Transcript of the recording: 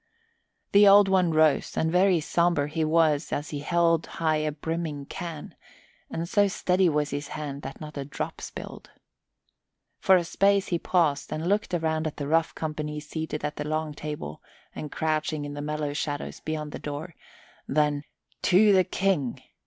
The Old One rose and very sober he was as he held high a brimming can, and so steady was his hand that not a drop spilled. For a space he paused and looked around at the rough company seated at the long table and crouching in the mellow shadows beyond the door, then, "To the King!"